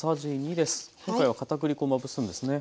今回は片栗粉まぶすんですね。